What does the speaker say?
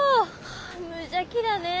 無邪気だねえ。